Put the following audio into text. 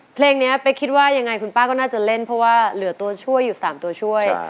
เพลงนี้เป๊กคิดว่ายังไงคุณป้าก็น่าจะเล่นเพราะว่าเหลือตัวช่วยอยู่๓ตัวช่วย